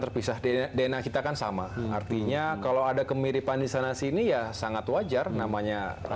terpisah dna kita kan sama artinya kalau ada kemiripan di sana sini ya sangat wajar namanya